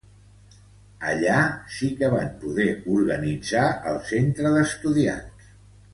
Allà sí que van poder organitzar el Centre d'Estudiants.